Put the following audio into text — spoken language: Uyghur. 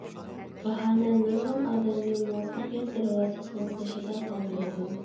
باھانە نۇرغۇن ئادەمنى مۇۋەپپەقىيەت دەرۋازىسىنىڭ تېشىدا قالدۇرىدۇ.